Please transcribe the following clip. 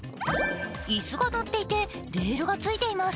椅子が乗っていて、レールがついています。